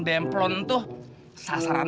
demplon tuh sasaran